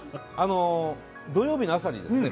土曜日の朝にですね